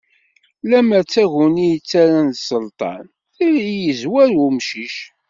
Lemmer d taguni yettarran d sselṭan, tili yezwer umcic.